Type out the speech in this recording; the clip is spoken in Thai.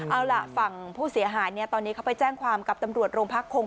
เอาล่ะฝั่งผู้เสียหายเนี่ยตอนนี้เขาไปแจ้งความกับตำรวจโรงพักคง